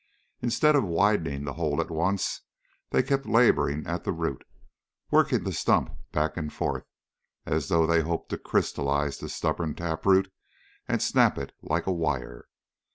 Instead of widening the hole at once, they kept laboring at the root, working the stump back and forth, as though they hoped to crystallize that stubborn taproot and snap it like a wire.